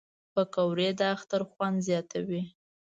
پکورې د اختر خوند زیاتوي